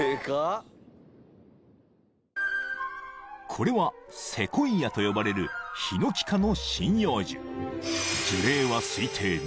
［これはセコイアと呼ばれるヒノキ科の針葉樹］